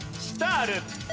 シタール。